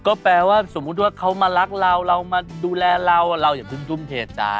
ก็แปลว่าสมมุติว่าเขามารักเราเรามาดูแลเราเราอย่าเพิ่งทุ่มเทใจ